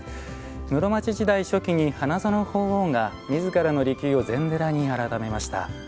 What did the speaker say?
室町時代初期に花園法皇がみずからの離宮を禅寺に改めました。